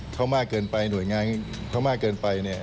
เขามากเกินไปหน่วยงานเขามากเกินไปเนี่ย